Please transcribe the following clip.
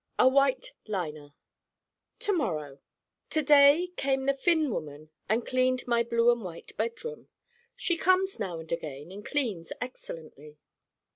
A white liner To morrow To day came the Finn woman and cleaned my blue and white bedroom. She comes now and again and cleans excellently.